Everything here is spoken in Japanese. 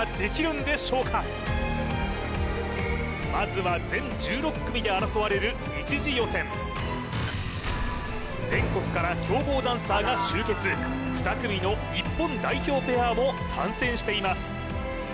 まずは全１６組で争われる一次予選全国から強豪ダンサーが集結２組の日本代表ペアも参戦しています